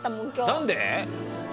何で？